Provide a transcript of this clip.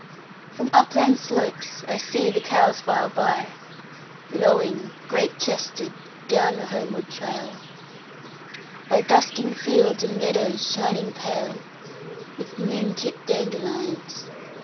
1From upland slopes I see the cows file by,2Lowing, great chested, down the homeward trail,3By dusking fields and meadows shining pale4With moon tipped dandelions.